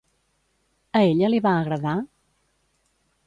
A ella li va agradar?